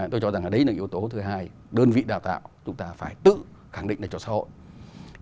tôi cho rằng là đấy là yếu tố thứ hai đơn vị đào tạo chúng ta phải tự khẳng định đây cho xã hội